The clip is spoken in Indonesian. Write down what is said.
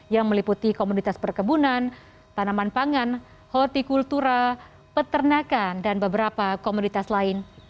yang meliputi komunitas perkebunan tanaman pangan hortikultura peternakan dan beberapa komunitas lain